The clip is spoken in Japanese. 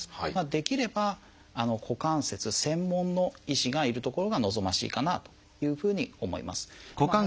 できれば股関節専門の医師がいる所が望ましいかなというふうに思います。